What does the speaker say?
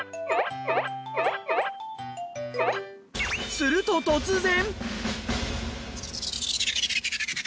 すると突然！